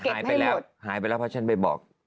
หายไปแล้วเพราะฉันไปบอก